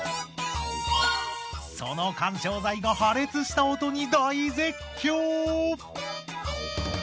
その緩衝材が破裂した音に大絶叫。